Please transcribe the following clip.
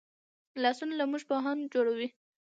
لاسونه له موږ پوهان جوړوي